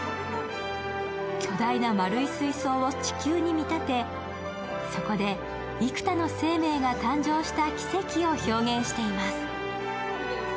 巨大な丸い水槽を地球に見立て、そこで幾多の生命が誕生した奇跡を表現しています。